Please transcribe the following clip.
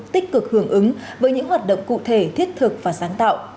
tích cực hưởng ứng với những hoạt động cụ thể thiết thực và sáng tạo